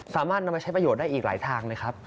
สามารถนำมาใช้ประโยชนได้อีกหลายทางเลยครับ